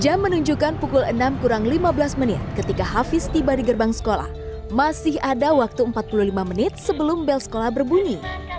jam menunjukkan pukul enam kurang lima belas menit ketika hafiz tiba di gerbang sekolah masih ada waktu empat puluh lima menit sebelum bel sekolah berbunyi